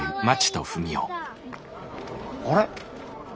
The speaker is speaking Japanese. あれ？